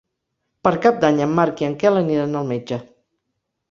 Per Cap d'Any en Marc i en Quel aniran al metge.